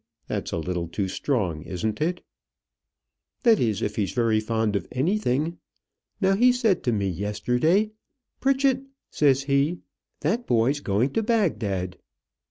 That's a little too strong, isn't it?" "That is, if he's very fond of anything. Now, he said to me yesterday, 'Pritchett,' says he, 'that boy's going to Bagdad.'